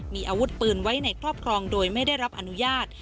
มีอาวุธปืนไว้ในครอบครองโดยไม่ได้รับอนุญาต